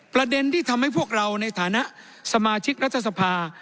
ประเด็นที่ทำให้พวกเราในฐานะสมาชิกรัฐสภา